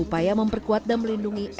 upaya memperkuat dan melindungi ekosistem laut